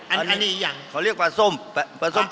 ๓๗๑อันนี้ของเรียกปลาส้มสิปลาส้มสิ